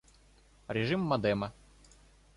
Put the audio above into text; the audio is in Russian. Режим модема